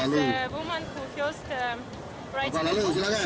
ini adalah hari yang pertama wanita berada di bali